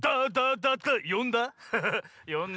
よんだ？